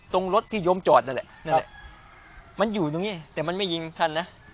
ตรงรถที่โยมจอดนั่นแหละมันอยู่ตรงนี้แต่มันไม่ยิงท่านนะ